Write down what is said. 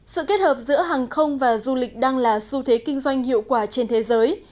sự kết hợp giữa hàng không và du lịch đang là xu thế kinh doanh hiệu quả trên thế giới